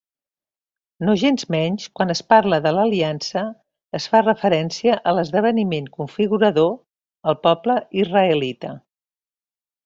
Nogensmenys, quan es parla de l'Aliança, es fa referència a l'esdeveniment configurador, el poble israelita.